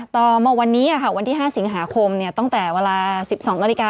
ต่อมาวันนี้วันที่๕สิงหาคมตั้งแต่เวลา๑๒นาฬิกา